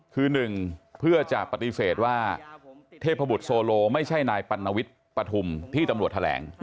คือหนึ่งเพื่อจะปฏิเสธว่าเทพบุตรโซโลไม่ใช่นายปัณวิทย์ปฐุมที่ตำรวจแถลง